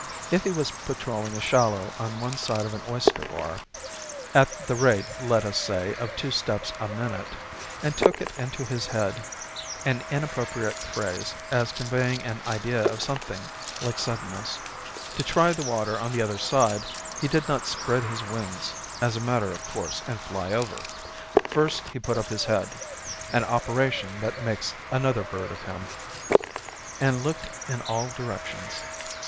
If he was patrolling a shallow on one side of an oyster bar, at the rate, let us say, of two steps a minute, and took it into his head (an inappropriate phrase, as conveying an idea of something like suddenness) to try the water on the other side, he did not spread his wings, as a matter of course, and fly over. First he put up his head an operation that makes another bird of him and looked in all directions.